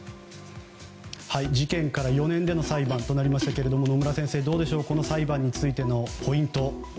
事件から４年での裁判となりましたが野村先生、どうでしょうこの裁判についてのポイント。